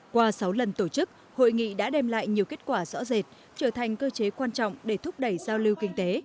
qua sáu lần tổ chức hội nghị đã đem lại nhiều kết quả rõ rệt trở thành cơ chế quan trọng để thúc đẩy giao lưu kinh tế